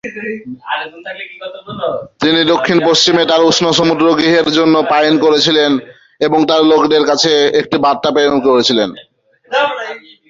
তিনি দক্ষিণ-পশ্চিমে তার উষ্ণ সমুদ্র-গৃহের জন্য পাইন করেছিলেন এবং তাঁর লোকদের কাছে একটি বার্তা প্রেরণ করেছিলেন।